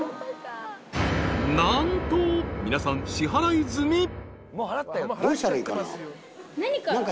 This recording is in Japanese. ［何と皆さん支払い済み］